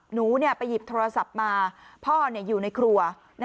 หนูไปหยิบโทรศัพท์มาพ่ออยู่ในครัว